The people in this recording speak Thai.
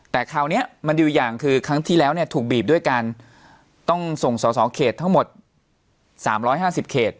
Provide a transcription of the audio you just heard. แต่คราวนี้มันดีอยู่อย่างคือครั้งที่แล้วเนี่ยถูกบีบด้วยกันต้องส่งสอสอเขตทั้งหมด๓๕๐เขต